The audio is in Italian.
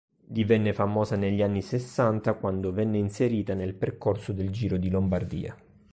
Divenne famosa negli anni sessanta quando venne inserita nel percorso del Giro di Lombardia.